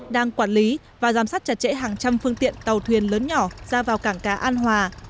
đang quản lý và giám sát chặt chẽ hàng trăm phương tiện tàu thuyền lớn nhỏ ra vào cảng cá an hòa